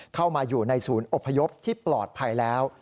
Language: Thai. เข้ามาอยู่ในศูนย์อบพยพที่ปลอดภัยแล้ว